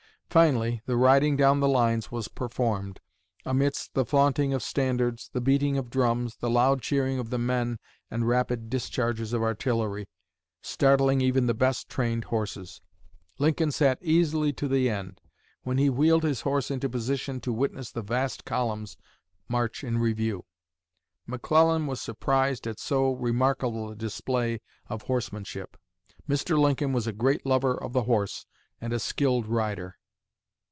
Finally, the 'riding down the lines' was performed, amidst the flaunting of standards, the beating of drums, the loud cheering of the men and rapid discharges of artillery, startling even the best trained horses. Lincoln sat easily to the end, when he wheeled his horse into position to witness the vast columns march in review. McClellan was surprised at so remarkable a display of horsemanship. Mr. Lincoln was a great lover of the horse, and a skilled rider.